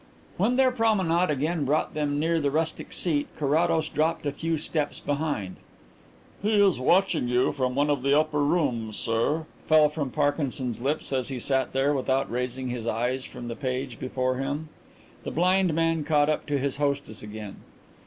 When their promenade again brought them near the rustic seat Carrados dropped a few steps behind. "He is watching you from one of the upper rooms, sir," fell from Parkinson's lips as he sat there without raising his eyes from the page before him. The blind man caught up to his hostess again.